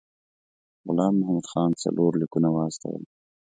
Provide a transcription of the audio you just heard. غلام محمد خان څلور لیکونه واستول.